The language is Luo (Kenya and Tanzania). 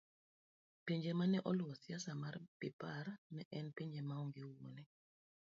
pinje mane oluwo siasa mar Bepar ne en pinje maonge wuone